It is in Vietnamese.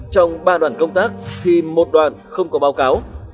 trong ba đoạn công tác thì một đoạn không có báo cáo